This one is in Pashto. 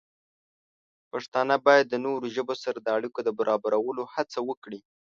پښتانه باید د نورو ژبو سره د اړیکو د برابرولو هڅه وکړي.